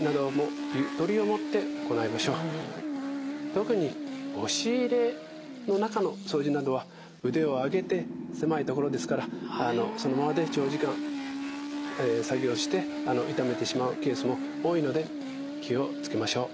特に押し入れの中の掃除などは腕を上げて狭い所ですからそのままで長時間作業して痛めてしまうケースも多いので気を付けましょう。